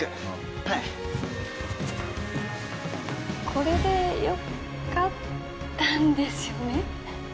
これでよかったんですよね？